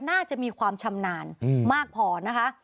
น่าจะมีความชำนาญมากพอนะคะ